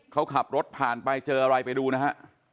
เขาขับรถผ่านไปเจออะไรไปดูนะฮะ